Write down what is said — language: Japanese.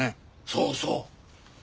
そうそう。